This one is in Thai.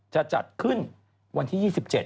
จะจัดขึ้นวันที่๒๗